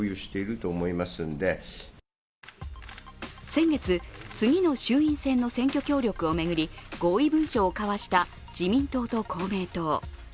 先月次の衆院選の選挙協力を巡り、合意文書を交わした自民党と公明党。